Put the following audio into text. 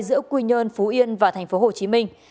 giữa quy nhơn phú yên và thành phố hồ chí minh